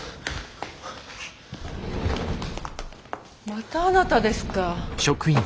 またあなたですか。